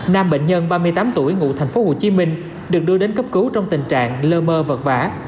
nam bệnh nhân ba mươi tám tuổi ngụ tp hcm được đưa đến cấp cứu trong tình trạng lơ mơ vật vã